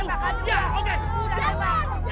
ada gempa kali ya